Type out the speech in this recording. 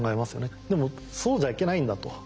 でもそうじゃいけないんだと。